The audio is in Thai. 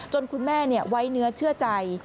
คุณแม่ไว้เนื้อเชื่อใจ